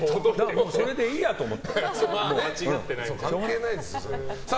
もうそれでいいやと思って。